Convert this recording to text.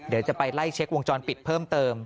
เดี๋ยวจะไปไล่เช็ควงจรปิดเพิ่มเติม